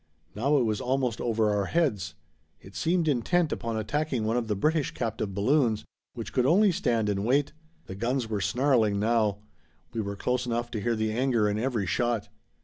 Now it was almost over our heads. It seemed intent upon attacking one of the British captive balloons, which could only stand and wait. The guns were snarling now. We were close enough to hear the anger in every shot.